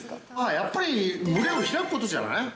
やっぱり胸を開くことじゃない。